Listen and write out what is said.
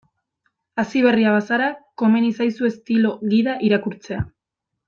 Hasiberria bazara, komeni zaizu estilo gida irakurtzea.